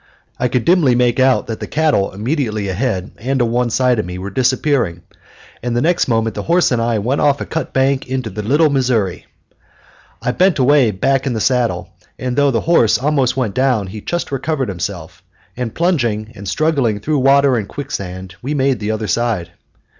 I could dimly make out that the cattle immediately ahead and to one side of me were disappearing, and the next moment the horse and I went off a cut bank into the Little Missouri. I bent away back in the saddle, and though the horse almost went down he just recovered himself, and, plunging and struggling through water and quicksand, we made the other side.